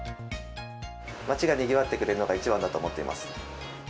まちがにぎわってくれるのが一番だと思っています。